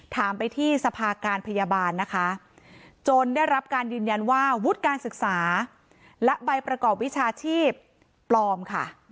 ถามไปที่สภาการพยาบาลนะคะจนได้รับการยืนยันว่าวุฒิการศึกษาและใบประกอบวิชาชีพปลอมค่ะ